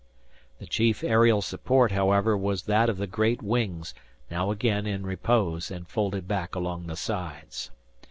The chief aerial support, however, was that of the great wings, now again in repose, and folded back along the sides.